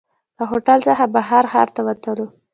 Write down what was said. له هوټل څخه بهر ښار ته ووتلو.